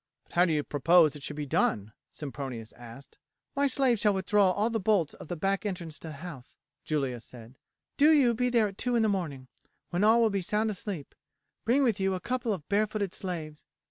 "But how do you propose it should be done?" Sempronius asked. "My slave shall withdraw all the bolts of the back entrance to the house," Julia said; "do you be there at two in the morning, when all will be sound asleep; bring with you a couple of barefooted slaves.